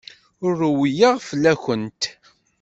Ur rewwleɣ fell-awent.